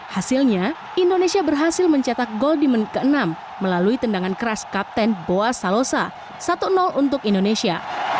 hasilnya indonesia berhasil mencetak gol di menit ke enam melalui tendangan keras kapten boas salosa satu untuk indonesia